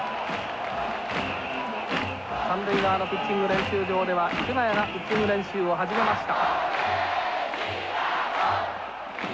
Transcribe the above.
三塁側のピッチング練習場では池谷がピッチング練習を始めました。